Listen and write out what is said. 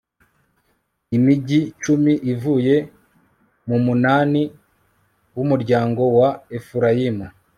imigi cumi ivuye mu munani w'umuryango wa efurayimu